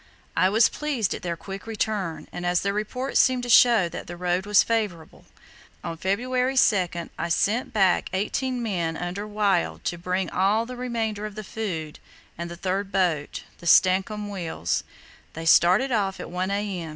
I was pleased at their quick return, and as their report seemed to show that the road was favourable, on February 2 I sent back eighteen men under Wild to bring all the remainder of the food and the third boat, the Stancomb Wills. They started off at 1 a.m.